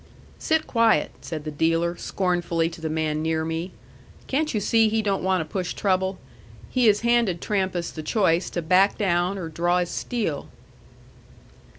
"Sit quiet," said the dealer, scornfully to the man near me. "Can't you see he don't want to push trouble? He has handed Trampas the choice to back down or draw his steel."